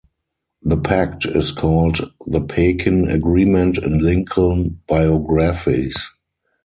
The pact is called the Pekin Agreement in Lincoln biographies.